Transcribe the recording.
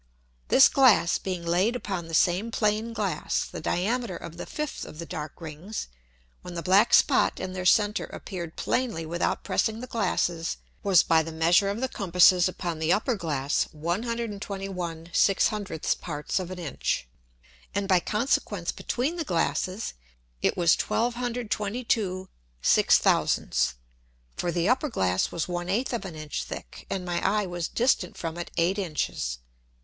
This Glass being laid upon the same plain Glass, the Diameter of the fifth of the dark Rings, when the black Spot in their Center appear'd plainly without pressing the Glasses, was by the measure of the Compasses upon the upper Glass 121/600 Parts of an Inch, and by consequence between the Glasses it was 1222/6000: For the upper Glass was 1/8 of an Inch thick, and my Eye was distant from it 8 Inches.